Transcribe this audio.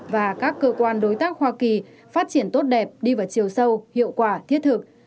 và các cơ quan đối tác hoa kỳ phát triển tốt đẹp đi vào chiều sâu hiệu quả thiết thực